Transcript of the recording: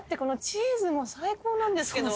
チーズも最高なんですけど。